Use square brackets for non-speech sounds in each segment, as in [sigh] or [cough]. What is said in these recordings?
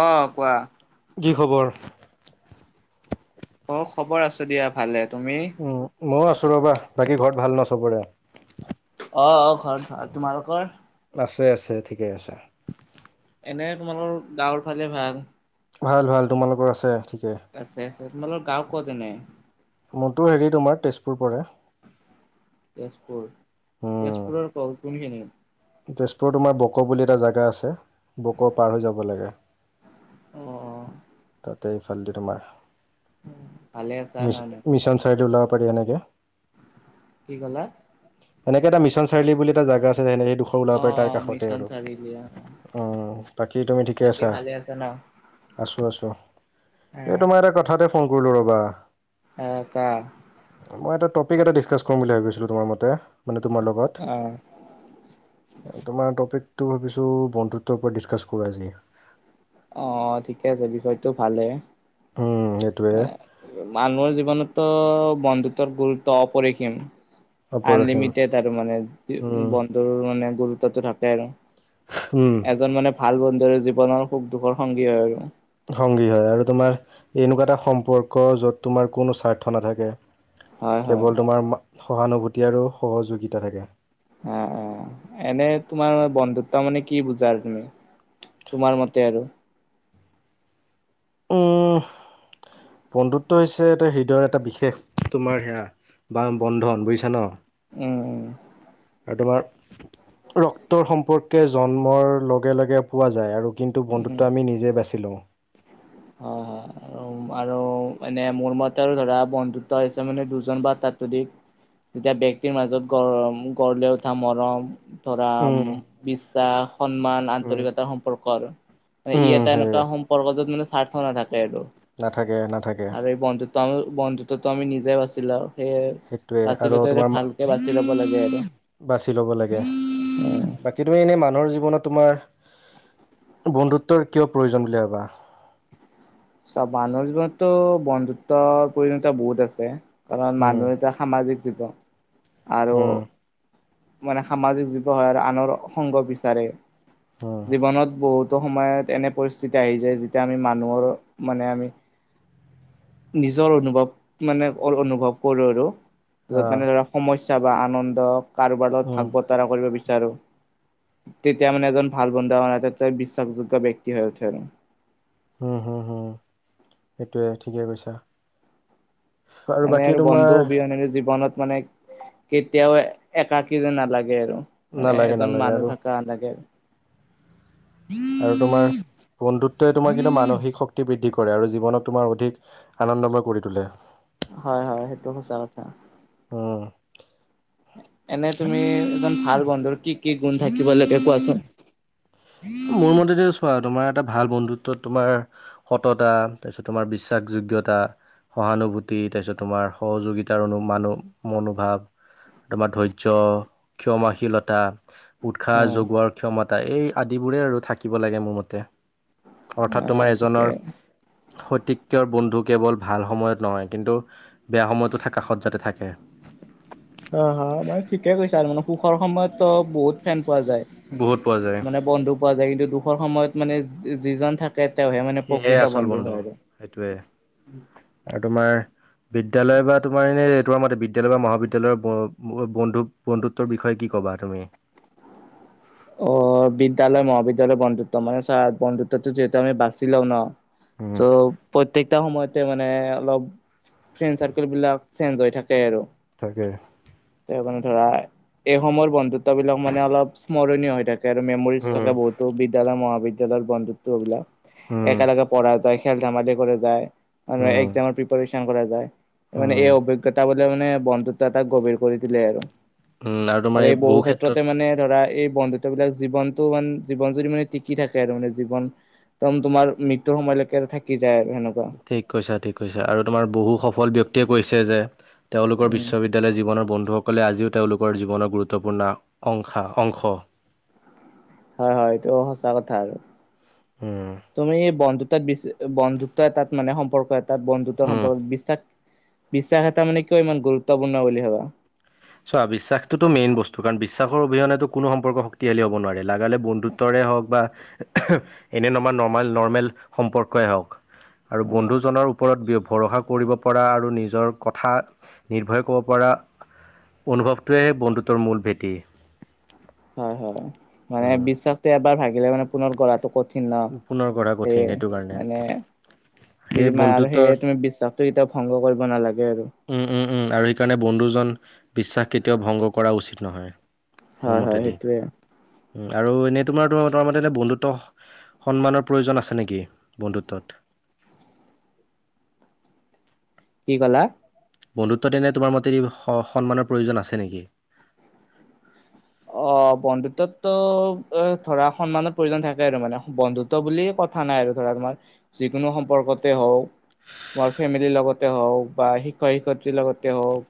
অ কোৱা। কি খবৰ। অ খবৰ আছো দিয়া ভালে তুমি। উম, ময়ো আছোঁ ৰ'বা বাকী ঘৰত ভাল ন চবৰে। অঁ অঁ ঘৰত ভাল তোমালোকৰ। আছে আছে ঠিকে আছে। এনে তোমালোকৰ গাঁৱৰ ফালে ভাল। ভাল ভাল তোমালোকৰ আছে ঠিক। আছে আছে তোমালোক গাও ক'ত এনে। মোৰতো হেৰি তোমাৰ তেজপুৰ পৰে। তেজপুৰ, তেজপুৰৰ ঘৰ কোনখিনি। তেজপুৰত তোমাৰ বক' বুলি এটা জেগা আছে বক' পাৰ হৈ যাব লাগে। অ তাতে এইফালেদি তোমাৰ ভালে আছা ন ন মিছন চাৰডি ওলাব পাৰি এনেকে। কি কলা। সনেকে এটা মিছন চাৰ্লি বুলি এটা জেগা আছে সেনেক সেই দুখৰ ওলাব পাৰে তাৰ অ কাষতে মিছন আৰু। চাৰিআলি অ উ বাকী তুমি ঠিকে বাকী আছা। ভালে ন? আছোঁ আছোঁ, এই তোমাৰ এটা কথাতে ফোন কৰিলো ৰবা। এ ক। মই এটা টপিক এটা ডিছকাছ কৰিম বুলি ভাবি আছলোঁ তোমাৰ মতে। মানে তোমাৰ লগত, অ তোমাৰ টপিক টপিকটো ভাবিছো বন্ধুত্বৰ ওপৰত ডিছকাছ কৰোঁ আজি। অ', ঠিকে আছে বিষয়টো ভালে। উম সেইটোৱে [inaudible] মানুহৰ জীৱনতো বন্ধুত্বৰ গুৰুত্ব অপৰিসীম। অপৰসীম আনলিমিটেড আৰু মানে উম বন্ধুৰ মানে গুৰুত্বটো থাকে আৰু। উম এজন মানে ভাল বন্ধুৰ জীৱনৰ সুখ- দুখৰ সংগী হয় আৰু। সংগী হয় আৰু তোমাৰ এনেকুৱা এটা সম্পৰ্ক য'ত তোমাৰ কোনো স্বাৰ্থ নাথাকে হয় হয় কেৱল তোমাৰ সহানুভূতি আৰু সহযোগিতা থাকে। অ অ। এনে তোমাৰ বন্ধুত্ব মানে কি বুজা আৰু তুমি, তোমাৰ মতে আৰু? উম- হ বন্ধুত্ব হৈছে এটা হৃদয়ৰ এটা বিশেষ তোমাৰ সেয়া বা বন্ধন বুইছা ন'? উম - উম আৰু তোমাৰ ৰক্তৰ সম্পৰ্কে জন্মৰ লগে- লগে পোৱা যায় আৰু কিন্তু বন্ধুত্ব আমি নিজে বাচি লওঁ। অহ, হয় আৰু উম, আৰু এনে মোৰ মতে আৰু ধৰা বন্ধুত্ব হৈছে মানে দুজন বা তাতোধিক দুটা ব্যক্তিৰ মাজত গ- গঢ় লৈ উঠা মৰম ধৰা উম বিশ্বাস, সন্মান, উম আন্তৰিকতা, সম্পৰ্ক আৰু। ই উম এটা সেয়ে এনেকুৱা সম্পৰ্ক য'ত মানে স্বাৰ্থ নাথাকে নাথাকে নাথাকে। আৰু বন্ধুত্ব -বন্ধুত্বটো আমি নিজে বাচিল‌ও সেই সেইটোৱে বাচি আৰু ল‌ওতে তোমাৰ ভালকে বাচি ল'ব লাগে আৰু বাছি ল'ব লাগে বাকী তুমি এনেই মানুহৰ জীৱনত তোমাৰ বন্ধুত্বৰ কিয় প্ৰয়োজন বুলি ভাবা? চব মানুহৰ জীৱনতো বন্ধুত্বৰ প্ৰয়োজনীয়তা বহুত আছে কাৰণ উম মানুহ এটা সামাজিক জীৱ আৰু উম মানে সামাজিক জীৱ হয়, আনৰ সংগ বিচাৰে উম জীৱনত বহুত ত 'সময়ত এনে পৰিস্থিতি আহি যায় যেতিয়া আমি মানুহৰ মানে আমি নিজৰ অনুভৱ মানে অকল অনুভৱ কৰো আৰু। য'ত মানে ধৰা আহ সমস্যা বা আনন্দ কাৰোবাৰ লগত উম ভাগ বতৰা কৰিব বিচাৰো। তেতিয়া মানে এজন ভাল- বন্ধু এটা বিশ্বাসযোগ্য ব্যক্তি হৈ উঠে আৰু। হু-হু-হু সেইটোৱে ঠিকে কৈছা। এনে বাকী আৰু বন্ধু তোমাৰ অবিহনেৰে জীৱনত মানে কেতিয়াও একাকি যেন নালাগে আৰু মানে নালাগে এজন নালাগে মানুহ আৰু থাকাযেন লাগে আৰু আৰু তোমাৰ বন্ধুত্বই তোমাৰ কিন্তু মানসিক শক্তি বৃদ্ধি কৰে আৰু জীৱনক তোমাৰ অধিক আনন্দময় কৰি তোলে। হয় -হয় সেইটো সঁচা কথা। উম। এনে তুমি এজন ভাল বন্ধুৰ কি- কি গুণ থাকিব লাগে কোৱাচোন? মোৰ মতে দি চোৱা আৰু তোমাৰ এটা ভাল বন্ধুত্ব তোমাৰ সততা তাৰপিছত তোমাৰ বিশ্বাসযোগ্যতা সহানুভূতি তাৰপিছত তোমাৰ সহযোগিতাৰ অনু মানু - মনোভাৱ তোমাৰ ধৈৰ্য, ক্ষমাশীলতা, উৎসাহ অ' যোগোৱাৰ ক্ষমতা, এই আদি ইবোৰে আৰু থাকিব লাগে মোৰ মতে অৰ্থাৎ অ' তোমাৰ ঠিকে। এজনৰ সত্যিকৰ বন্ধু কেৱল ভাল সময়ত নহয় কিন্তু বেয়া সময়তো কাষত যাতে থাকে। অহ, হয় মানে ঠিকে কৈছা আৰু মানে সুখৰ সময়ত তো বহুত ফেন পোৱা যায় বহুত পোৱা যায় মানে বন্ধু পোৱা যায় কিন্তু দুখৰ সময়ত মানে যিজন থাকে তেওঁহে মানে সিহে প্ৰকৃত আচল বন্ধু হয় আৰু। সেইটোৱে আৰু তোমাৰ বিদ্যালয় বা তোমাৰ এনেই তোমাৰ মতে বিদ্যালয় বা মহাবিদ্যালয়ৰ ব ব বন্ধু বন্ধুত্বৰ বিষয়ে কি ক'বা তুমি? অ বিদ্যালয় মহাবিদ্যালয় বন্ধুত্ব মানে চ বন্ধুত্বটো যিহেতু বাচি লাও ন। ত উম, প্ৰত্যেকটা সময়ত। তাতে মানে অলপ ফ্ৰেণ্ড চাৰ্কেল বিলাক চেঞ্জ হৈ থাকে আৰু। তাকে। তে মানে ধৰা এই সময়ৰ বন্ধুত্ব বিলাক মানে অলপ স্মৰণীয় হৈ থাকে। আৰু মেমৰিজ উম, থাকে বহুতো বিদয়ালয় মহাবিদ্যালয়ৰ বন্ধুত্ব এইবিলাক উম, একেলগে পঢ়া যায়। খেল ধেমালি কৰা যায় ম উম, একজামৰ প্ৰিপাৰেচন কৰা যায় মানে উম, এই অভিজ্ঞতা। মানে বন্ধুত্ব এটা গভীৰ কৰি তোলে আৰু আৰু এই বহু ক্ষেত্ৰতে মানে ধৰা এই। বন্ধুত্ব বিলাক জীৱনতটো মান জীৱন জুৰি মানে টিকি থাকে আৰু মানে জীৱন। টো তোমাৰ মৃত্যুৰ সময়লৈকে থাকি। যায় আৰু সেনেকুৱা ঠিক কৈছা ঠিক কৈছা আৰু তোমাৰ বহু সফল ব্যক্তিয়ে কৈছে যে। তেওঁলোকৰ উম বিশ্ববিদ্যালয় জীৱনৰ বন্ধুসকলে আজিও। তেওঁলোকৰ জীৱনৰ গুৰুত্বপূৰ্ণ অংশা, অংশ। হয় হয়টো সঁচা কথা। আৰু উম, তুমি বন্ধু তাত বন্ধুত্ব এটাত মানে সম্পৰ্ক এটা বন্ধুত্বৰ উম। সম্পৰ্ক বিশ্বাস বিশ্বাস এটা মানে কিয় ইমান গুৰুত্বপূৰ্ণ বুলি ভাবা? ছোৱা 'বিশ্বাসটোতো মেইন বস্তু। কাৰণ, বিশ্বাসৰ অবিহনেতো কোনো সম্পৰ্ক শক্তিশালী হ'ব নোৱাৰে। লাগালে বন্ধুত্বৰে হওক বা এনে নমা নৰ্ম নৰ্মেল সম্পৰ্কই হওক। আৰু উম বন্ধুজনৰ ওপৰত ভৰষা কৰিব পৰা আৰু নিজৰ কথা নিৰ্ভয় ক'ব পৰা অনুভৱটোৱে বন্ধুত্বৰ মূল ভেটি। হয়, হয়। মানে উম, বিশ্বাসটো এবাৰ ভাগিলে মানে পুনৰ গৰাটো ক কঠিন। পুনৰ গঢ়া কঠিন সেয়ে, সেইটো কাৰণে মানে সেই বিমা আৰু সেয়ে বন্ধুত্বৰ তুমি বিশ্ব এতিয়া ভংগ কৰিব নালাগে। আৰু উম, উম, উম আৰু সেইকাৰণে বন্ধুজন বিশ্বাস কেতিয়াও ভংগ কৰা উচিত নহয়। মোৰ হয়, হয় মতেদি সেইটোৱে। উম, আৰু এনেই তোমাৰ তোম তোমাৰ মতে এনে বন্ধুত্ব সন্মানৰ প্ৰয়োজন আছে নেকি বন্ধুত্বত? [unintelligible] কি কলা? বন্ধুত্ব তেনে তোমাৰ মতে সন্মানৰ প্ৰয়োজন আছে নেকি? অ, বন্ধুত্ব তো এ ধৰা সন্মানৰ প্ৰয়োজন থাকে, আৰু মানে। বন্ধুত্ব বুলি ক কথা নাই আৰু ধৰা তোমাৰ যিকোনো সম্পৰ্কতে হওঁক মোৰ ফেমিলিৰ লগতে হওক বা শিক্ষক শিক্ষয়িত্ৰীৰ লগতে হওক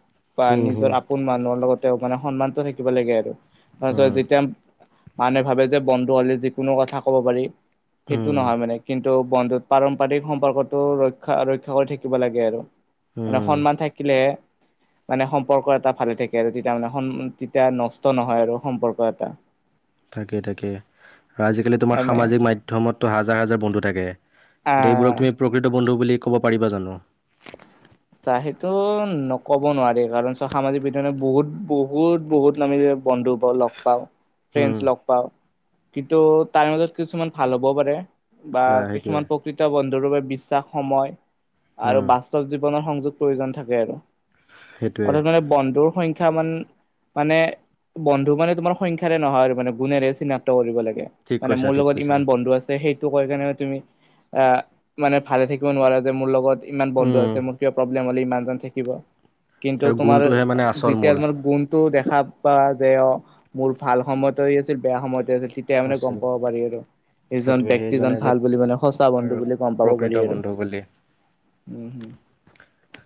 বা হুম নিজৰ হুম। আপোন মানুহৰ লগতে মানে সন্মানত থাকিব লাগে আৰু। তাৰপিছত উম যেতিয়া মানুহে ভাবে যে বন্ধু হলে যিকোনো কথা কব পাৰি। সেইটো উম নহয় মানে কিন্তু। টো বন্ধুত পাৰম্পৰিক সম্পৰ্কতটো ৰক্ষা ৰক্ষা কৰি থাকিব লাগে আৰু। মানে উম সন্মান থাকিলে মানে সম্পৰ্ক এটা ভালে থাকে আৰু তেতিয়া মানে তেতিয়া নষ্ট নহয়। হয় আৰু সম্পৰ্ক এটা। তাকেই, তাকেই আৰু আজিকালি তোমাৰ এনে সামাজিক মাধ্যমতো হাজাৰ হাজাৰ বন্ধু থাকে। এতিয়া এইবোৰক আহ তুমি প্ৰকৃত বন্ধু বুলি ক'ব পাৰিবা জানো? চা সেইটো নক'ব নোৱাৰি। কাৰণ, চ সামাজিক বিজ্ঞানে বহুত বহুত বহুত নামিল বন্ধুব লগ পাওঁ। ফ্ৰেণ্ড উম লগ পাও। কিন্তু, তাৰ মাজত কিছুমান ভাল হ'বও পাৰে। বা না সেইটোৱে কিছুমান প্ৰকৃত বন্ধুৰ বাবে বিশ্বাস সময় আৰু উম বাস্তৱ য [unintelligible] মান সেইটোৱে মানে বন্ধু মানে তোমাৰ সংখ্যাৰে নহয় আৰু মানে গুণৰে চিনাক্ত কৰিব লাগে। ঠিক মানে কৈছা মোৰ ঠিক লগত কৈছা। ইমান বন্ধু আছে সেই কৈ কেনে তুমি আহ মানে ভালে থাকিব নোৱাৰা যে মোৰ লগত ইমান বন্ধু উম আছে মোৰ। [unintelligible] চাবা তেওঁৰ গুণটোহে মানে আচল মূল যে অ মোৰ ভাল সময়তেই আছিল বেয়া সময়তে আছিল। তেতিয়া মানে গম আছিল। পাব পাৰি আৰু। এজন সেইটোৱে ব্যক্তিজন সেইজনে যে ভাল বুলি মানে সঁচা বন্ধু আৰু বুলি গম পাব প্ৰকৃত পাৰি আৰু। বন্ধু বুলি উম, হম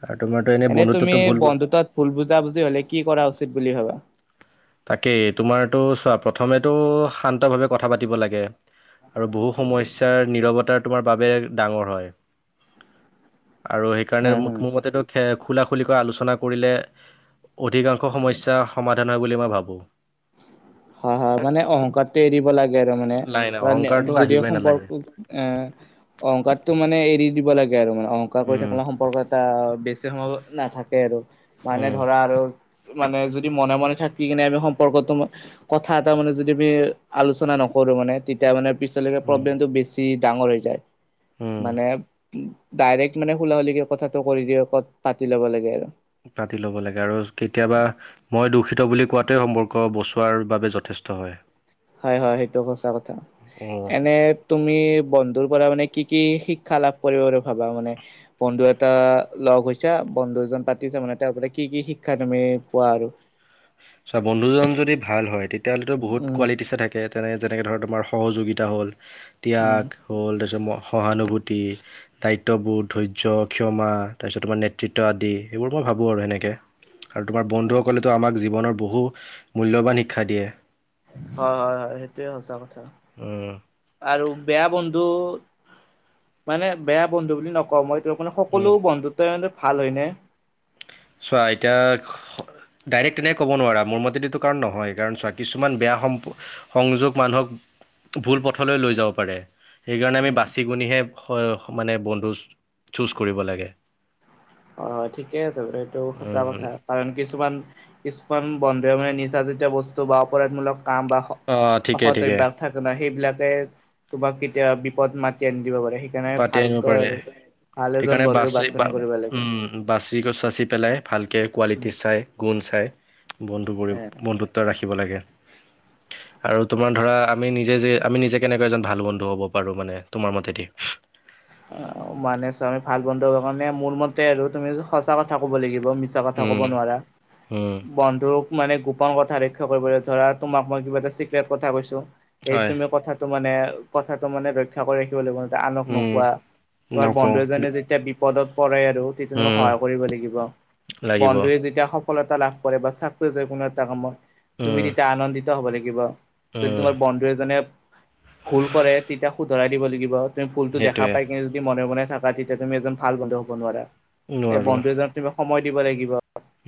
আৰু তোমাৰতো এনেই তুমি বন্ধুত্বতো ভুল বন্ধুতত ভুল বুজা বুজি হ'লে কি কৰা উচিত বুলি ভাবা? তাকেই তোমাৰতো চোৱা প্ৰথমেতো শান্ত ভাৱে কথা পাতিব লাগে। আৰু বহু সমস্যাৰ নিৰৱতা তোমাৰ বাবে ডাঙৰ হয়। আৰু হা সেইকাৰণে হা মোৰ মতেতো খ খোলা-খুলিকৈ আলোচনা কৰিলে অধিকাংশ সমস্যা সমাধান হয় বুলি মই ভাবোঁ। [unintelligible] হয় হয়। মানে অহংকাৰটো এৰিব লাগে আৰু মানে নাই নাই অহংকাৰটো যদিও আহিবই সম্পৰ্ক নালাগে এ- অংকাৰটো মানে এৰি দিব লাগে আৰু মানে, অহংকাৰ কৰি উম থাকিলে সম্পৰ্ক এটা বেছি সময় নাথাকে আৰু। মানে উম ধৰা আৰু মানে যদি মনে মনে থাকি কিনে আমি - সমপৰ্কটো কথা এটা মানে যদি আমি আলোচনা নকৰো মানে তেতিয়া মানে, পিছলৈকে উম প্ৰব্লেমটো বেছি ডাঙৰ হৈ যায়। উম মানে ডাইৰেক্ট মানে খোলা খোলিকে কথাটো কৰি দিয়ে কত পাতি ল'ব লাগে আৰু। পাতি ল'ব লাগে আৰু কেতিয়াবা মই দূষিত বুলি, কোৱাতে সম্পৰ্ক বচোৱাৰ বাবে যথেষ্ট হয়। হয় হয় সেইটো সঁচা কথা। উম এনে তুমি বন্ধু বন্ধুৰ পৰা মানে কি কি শিক্ষা লাভ কৰিব বুলি ভাবা। মানে বন্ধু এটা লগ হৈছে বন্ধু দুজন পাতিছে মানে তেওঁ কি কি শিক্ষা তুমি পোৱা আৰু? ছ' বন্ধুজন যদি ভাল হয় তেতিয়াহ'লেতো বহুত উম কোৱালিটিছে থাকে। তেনে যেনেকৈ ধৰক তোমাৰ সহযোগিতা হ'ল, উম ত্যাগ হ'ল, তাৰপিছত সহানুভূতি, দায়িত্ববোধ, ধৈৰ্য, ক্ষমা, তাৰপিছত তোমাৰ নেতৃত্ব আদি এইবোৰ মই ভা- বো আৰু এনেকে। আৰু তোমাৰ হয় বন্ধুসকলেতো আমাক জীৱনৰ বহু মূল্যৱান শিক্ষা দিয়ে। হয় হয় হয় সেইটোয়ে সঁচা কথা উম আৰু। বেয়া বন্ধু মানে বেয়া বন্ধু বুলি নকওঁ মই, মানে সকলো উম বন্ধুত্বে ভাল হয় ন। চোৱা এতিয়া ডাইৰেক্ট তেনেক ক'ব নোৱাৰা। মোৰ মতে এইটো কাৰণ নহয়, কাৰণ চোৱা কিছুমান বেয়া সম্প সংযোগ মানুহক ভুল পথলৈ লৈ যাব পাৰে। সেইকাৰণে আমি উম বাচি কুনিহে মানে বন্ধু চুজ কৰিব লাগে। হয় হয় ঠিকেই আছে এইটো সঁচা উম, কথা। কাৰণ কিছুমান কিছুমান বন্ধুৱে মানে নিচাজাতিয় বস্তু বা অপৰাধমূলক কাম বা অঁ ঠিকে ঠিকে অসতভ্যাস থাকে ন। সেইবিলাকে তোমাক কেতিয়া বিপদ মাতি আনি - দিব পাৰে। সেইকাৰণে পাতি আনিব ভালকৈ পাৰে আৰু ভাল এজন সেইকাৰণে বন্ধু বাছি বা বাছনি কৰিব লাগে। বাচি গছ চচি পেলাই ভালকৈ উম, কোৱালিটি চাই গুণ চায়। বন্ধু পৰি এ বন্ধুত্ব ৰাখিব লাগে। আৰু তোমাৰ ধৰা আমি নিজে যে আমি নিজে কেনেকৈ এজন ভাল বন্ধু হ'ব পাৰোঁ। মানে তোমাৰ মতেদি? অ মানে চোৱা আমি ভাল বন্ধু হব কাৰণে মোৰ মতে আৰু তুমি সঁচা কথা ক'ব লাগিব, মিছা কথা ক'ব উম, নোৱাৰা। উম। বন্ধুক মানে গোপন কথা লক্ষ্য কৰিব, ধৰা তোমাক মই কিবা এটা চিক্ৰেট কথা কৈছো, সেইটো হয় তুমি কথা মানে কথাটো মানে ৰক্ষা কৰি ৰাখিব লাগিব, আনক। উম কোৱা তোমাৰ নকওঁ বন্ধু এজনে যেতিয়া বিপদত পৰে, উম সহায় কৰিব লাগিব। লাগিব বন্ধুয়ে যেতিয়া সফলতা লাভ কৰে বা ছাকচেছ হয় কোনো এটা কামত তুমি উম তেতিয়া আনন্দিত হ'ব লাগিব। যদি উম তোমাৰ বন্ধু এজনে ভুল কৰে তেতিয়া শুধৰাই দিব লাগিব, তুমি ভুলতটো দেখা দেখা সেইটোৱে পাই কিনে যদি মনে মনে থাকা, তেতিয়া তুমি এজন ভাল বন্ধু হ'ব নোৱাৰা। এই নোৱাৰো বন্ধু এজন তুমি সময় দিব লাগিব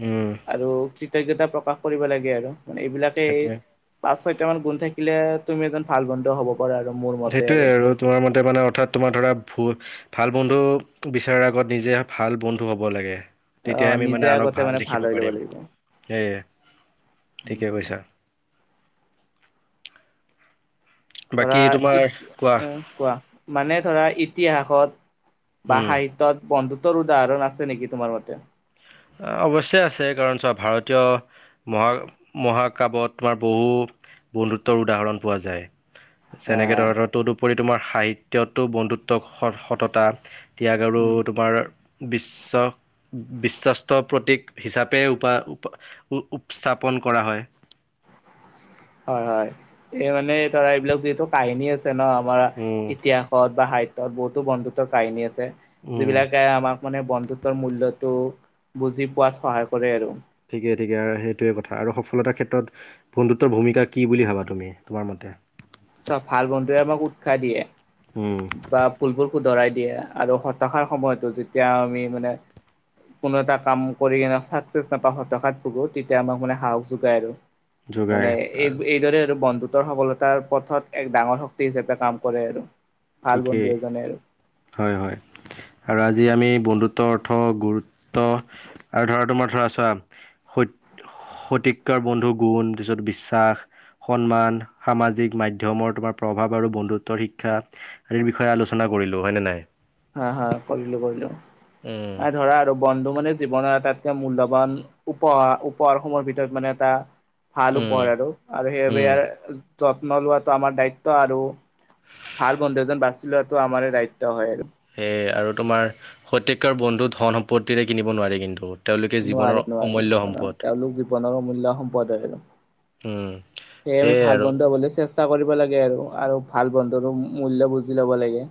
উম আৰু কৃতজ্ঞতা প্ৰকাশ কৰিব লাগে আৰু। মানে এইবিলাকে সেইটোৱে পাঁচ ছয়টা মান গুন থাকিলে তুমি এজন ভাল বন্ধু হ'ব। পাৰা আৰু মোৰ মতে সেইটোয়ে আৰু তোমাৰ মতে মানে অৰ্থাৎ তোমাৰ ধৰা ভু ভাল বন্ধু বিচাৰাৰ আগত নিজে ভাল বন্ধু হ'ব লাগে। আহ তেতিয়াই আমি নিজে মানে আনক আগতে ভাল দেখিব হৈ ল'ব পাৰিম। লাগিব সেয়ে ঠিকে কৈছা। ধৰা বাকী তোমাৰ ইত কোৱা কোৱা মানে ধৰা ইতিহাসত বা উম সাহিত্যত বন্ধুত্বৰ উদাহৰণ আছে নেকি তোমাৰ মতে? অৱশ্যে আছে। কাৰণ চব ভাৰতীয় মহা মহাকাবত তোমাৰ বহু বন্ধুত্বৰ উদাহৰণ পোৱা যায়। হা যেনেকে ধৰা তদুপৰি তোমাৰ সাহিত্যতো বন্ধুত্ব স সততা ত্যাগ আৰু উম, তোমাৰ বিশ্ব বিশ্বাস প্ৰতীক হিচাপে উপ্থাপন কৰা হয় হয় হয় এই মানে ধৰা এইবিলাক যিহেতটো কাহিনী আছে ন আমাৰ উম ইতিহাসত বা সাহিত্যত বহুতো বন্ধুত্বৰ কাহিনী আছে উম যিবিলাকে আমাক মানে বন্ধুত্বৰ মূল্য টো বুজি পোৱাত সহায় কৰে আৰু ঠিকেই ঠিকে আৰু সেইটোৱে কথা আৰু সফলতাৰ ক্ষেত্ৰত বন্ধুত্বৰ ভূমিকা কি বুলি ভাবা তুমি তোমাৰ মতে ততি [unintelligible] চ ভাল বন্ধুৱে আমাক উৎসাহ দিয়ে উম বা ভুলবোৰ শুধৰাই দিয়ে। দিয়ে আৰু হতাশাৰ সময়তো যেতিয়া আমি মানে কোনো এটা কাম কৰিনে চাকচেচ নাপাওঁ হতাশ তেতিয়া আমাক মানে সাহস যোগায় আৰু মানে যোগাই এই আৰু এইদৰে আৰু বন্ধ তৰ সফলতাৰ পথত এক ডাঙৰ শক্তি হিচাপে কাম কৰে আৰু ভাল বন্ধু ঠিকেই এজনে আৰু হয় হয় আৰু আজি আমি বন্ধুত্ব ত অৰ্থ গুৰুত্ব আৰু ধৰা তোমাৰ ধৰাছা সত শতিকাৰ বন্ধু গুণ তাৰপাছত বিশ্বাস সন্মান সামাজিক মাধ্যমৰ তোমাৰ প্ৰভাৱ আৰু বন্ধুত্বৰ শিক্ষা আদিৰ বিষয়ে আলোচনা কৰিলো হয়নে নাই। হা হা কৰিলো কৰিলো উম ধৰা আৰু বন্ধু মানে জীৱনৰ আটাইতকৈ মূল্যবান উপহাৰ উপহাৰসমূহৰ ভিতৰত মানে এটা ভাল উম উপহাৰ আৰু আৰু সেইবাবে উম ইয়াৰ যত্ন লোৱাটো আমাৰ দায়িত্ব আৰু ভাল বন্ধু এজন বাচি লোৱাতটো আমাৰ দায়িত্ব হয় আৰু সেয়ে আৰু তোমাৰ সতীৰ্থৰে বন্ধু ধন সম্পত্তিৰে কিনিব নোৱাৰি কিন্তু তেওঁলোকে জীৱনৰ নোৱাৰি নোৱাৰি অমূল্য কাৰ সম্পদ তেওঁলোক জীৱনৰ অমূল্য সম্পদ আৰু উম সেই আমি সেয়াই ভাল আৰু বন্ধু হ'বলৈ চেষ্টা চেষ্টা কৰিব লাগে আৰু আৰু ভাল বন্ধুৰো মূল্য বুজি ল'ব লাগে।